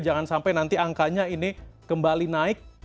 jangan sampai nanti angkanya ini kembali naik